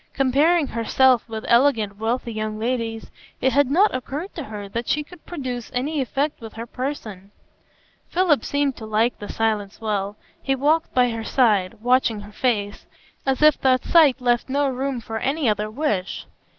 Comparing herself with elegant, wealthy young ladies, it had not occurred to her that she could produce any effect with her person. Philip seemed to like the silence well. He walked by her side, watching her face, as if that sight left no room for any other wish.